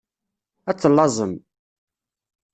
Ad tellaẓem.